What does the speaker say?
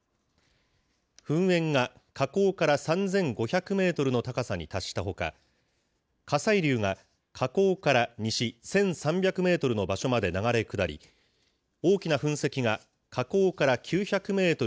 噴煙が火口から３５００メートルの高さに達したほか、火砕流が火口から西１３００メートルの場所まで流れ下り、大きな噴石が火口から９００メートル